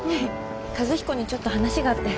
和彦にちょっと話があって。